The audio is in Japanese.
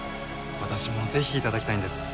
私もぜひ頂きたいんです。